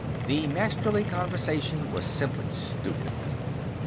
The Masterly conversation was simply stupid.